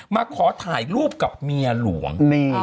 มาขอถ่ายรูปกับเมียหลวง